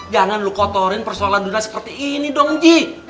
jangan lu kotorin persoalan dunia seperti ini dong ji